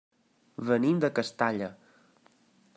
Venim de Castalla.